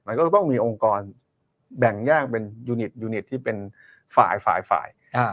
ก็ต้องมีองค์กรแบ่งแยกเป็นยูนิตยูนิตที่เป็นฝ่ายฝ่าย